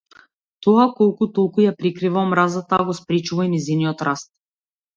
Тоа колку толку ја прикрива омразата, а го спречува и нејзиниот раст.